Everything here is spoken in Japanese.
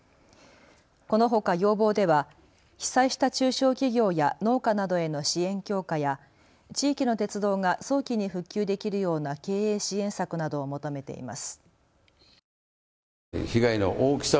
このほか要望では被災した中小企業や農家などへの支援強化や地域の鉄道が早期に復旧できるような経営支援策などを求めています。